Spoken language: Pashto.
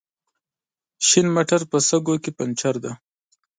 شين موټر په شګو کې پنچر دی